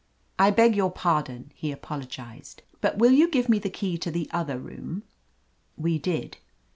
"I beg your pardon," he apologized, "but will you give me the key to the other room?" We did.